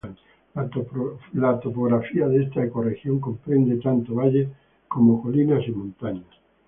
La topografía de esta ecorregión comprende tanto valles como colinas y montañas.